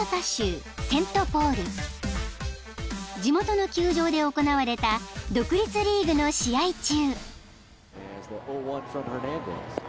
［地元の球場で行われた独立リーグの試合中］